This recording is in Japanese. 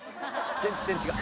全然違う！